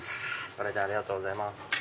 ご来店ありがとうございます。